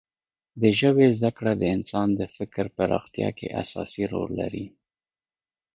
د ژبې زده کړه د انسان د فکر پراختیا کې اساسي رول لري.